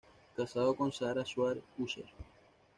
Casado con Sara Shaw Usher.